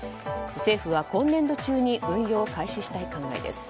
政府は今年度中に運用を開始したい考えです。